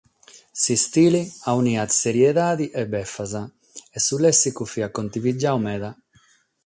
S’istile auniat seriedade e befas, e su lèssicu fiat contivigiadu meda.